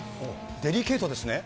デリケートですね？